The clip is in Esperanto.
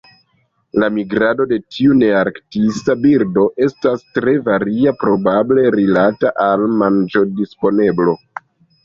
La migrado de tiu nearktisa birdo estas tre varia, probable rilata al manĝodisponeblo.